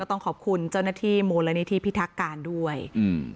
ต้องขอบคุณเจ้าหน้าที่มูลนิธิพิทักการด้วยอืม